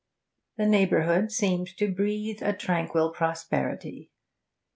The neighbourhood seemed to breathe a tranquil prosperity.